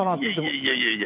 いやいやいや。